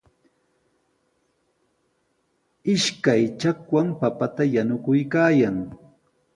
Ishkay chakwan papata yanuykaayan.